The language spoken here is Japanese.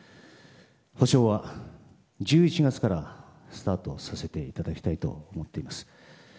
補償は１１月からスタートさせていただきたいと思っております。